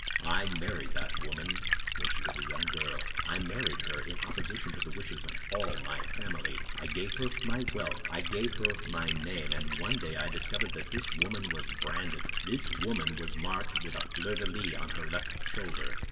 I married that woman when she was a young girl; I married her in opposition to the wishes of all my family; I gave her my wealth, I gave her my name; and one day I discovered that this woman was branded—this woman was marked with a fleur de lis on her left shoulder."